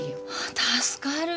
助かる！